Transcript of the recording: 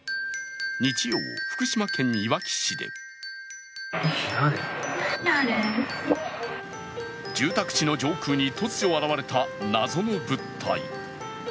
日曜、福島県いわき市で住宅地の上空に突如現れた謎の物体。